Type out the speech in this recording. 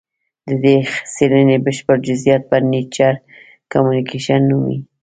د دې څېړنې بشپړ جزیات په نېچر کمونیکشن نومې